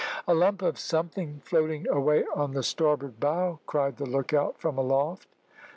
"A lump of something floating away on the starboard bow," cried the look out from aloft.